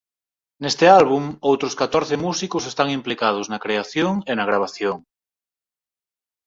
Neste álbum outros catorce músicos están implicados na creación e na gravación.